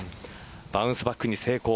バウンスバック成功